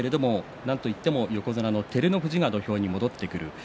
なんといっても横綱照ノ富士が土俵に戻ってきました。